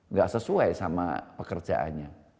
gak sesuai sama pekerjaannya